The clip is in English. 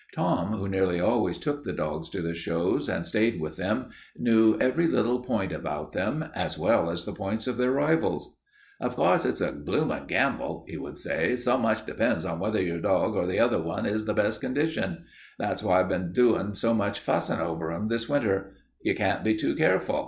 Tom, who nearly always took the dogs to the shows and stayed with them, knew every little point about them as well as the points of their rivals. "Of course, it's a bloomin' gamble," he would say. "So much depends on whether your dog or the other one is in the best condition. That's why I've been doing so much fussing over them this winter. You can't be too careful.